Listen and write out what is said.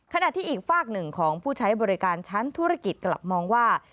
ขณะที่อีกฝากหนึ่งของผู้ใช้บริการชั้นธุรกิจกลับมองว่า